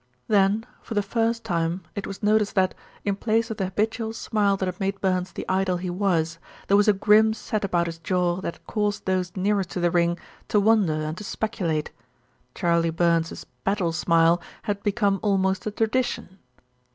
Then for the first time it was noticed that, in place of the habitual smile that had made Burns the idol he was, there was a grim set about his jaw that caused those nearest to the ring to wonder and to speculate. Charley Burns's "battle smile" had become almost a tradition.